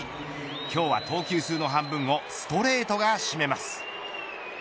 今日は投球数の半分をストレートが占めます。